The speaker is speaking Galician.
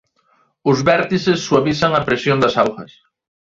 Os vértices suavizan a presión das augas.